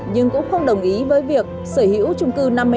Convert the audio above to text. nhưng cũng không đồng ý với việc sở hữu trung cư năm mươi hai